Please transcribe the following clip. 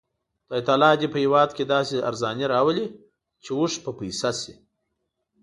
خدای تعالی دې په هېواد کې داسې ارزاني راولي چې اوښ په پیسه شي.